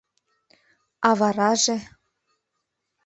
А вараже...